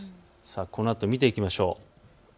このあと見ていきましょう。